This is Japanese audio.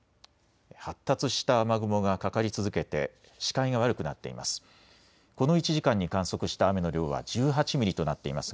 発達した雨雲がかかり続けて視界が悪くなっています。